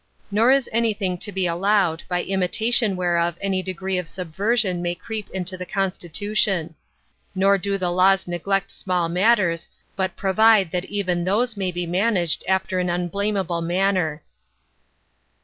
Nor is any thing to be allowed, by imitation whereof any degree of subversion may creep into the constitution. Nor do the laws neglect small matters, but provide that even those may be managed after an unblamable manner.